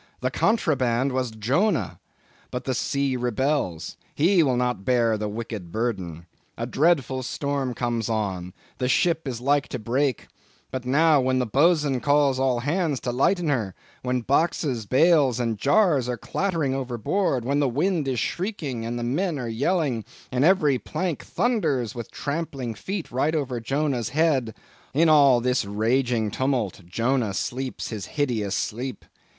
the contraband was Jonah. But the sea rebels; he will not bear the wicked burden. A dreadful storm comes on, the ship is like to break. But now when the boatswain calls all hands to lighten her; when boxes, bales, and jars are clattering overboard; when the wind is shrieking, and the men are yelling, and every plank thunders with trampling feet right over Jonah's head; in all this raging tumult, Jonah sleeps his hideous sleep.